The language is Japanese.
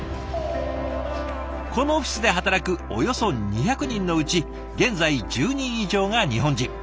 このオフィスで働くおよそ２００人のうち現在１０人以上が日本人。